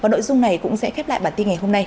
nội dung này cũng sẽ khép lại bản tin ngày hôm nay